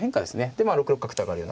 でまあ６六角と上がるような。